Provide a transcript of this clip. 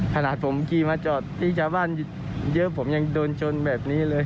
ขนาดผมขี่มาจอดที่ชาวบ้านเยอะผมยังโดนชนแบบนี้เลย